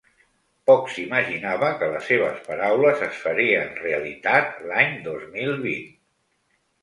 Poc s’imaginava que les seves paraules es farien realitat l’any dos mil vint.